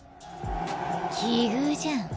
奇遇じゃん。